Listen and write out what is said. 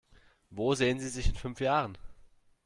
Wo sehen Sie sich in fünf Jahren?